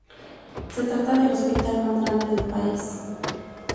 Se trata del hospital más grande del país.